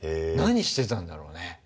何してたんだろうね。